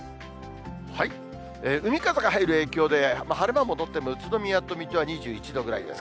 海風が入る影響で、晴れ間戻っても宇都宮と水戸は２１度ぐらいです。